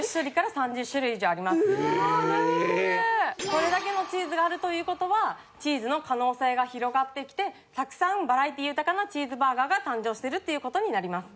これだけのチーズがあるという事はチーズの可能性が広がってきてたくさんバラエティ豊かなチーズバーガーが誕生してるっていう事になります。